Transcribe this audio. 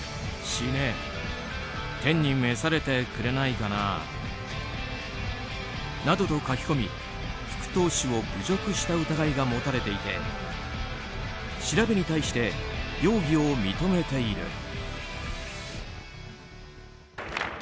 天に召されてくれないかなあ。などと書き込み、福投手を侮辱した疑いが持たれていて調べに対して、容疑を認めている。